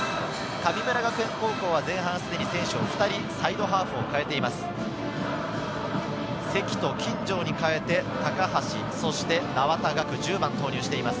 神村学園高校は前半すでに選手を２人、サイドハーフを２人代えています。